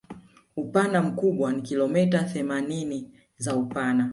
Upana mkubwa ni kilometa themanini za upana